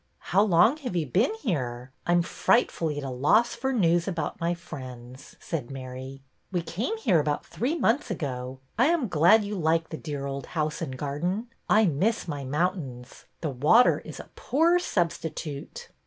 How long have you been here? I am fright fully at a loss for news about my friends,'' said Mary. '^We came here about three months ago. I am glad you like the dear old house and garden. I miss my mountains. The water is a poor substitute."